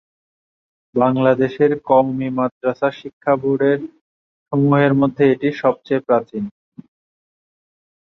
বাংলাদেশের কওমি মাদ্রাসা শিক্ষা বোর্ড সমূহের মধ্যে এটি সবচেয়ে প্রাচীন।